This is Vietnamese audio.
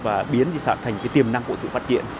và biến di sản thành cái tiềm năng của sự phát triển